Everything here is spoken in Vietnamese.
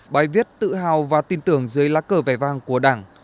bài viết tự hào và tin tưởng dưới lá cờ vẻ vang của đảng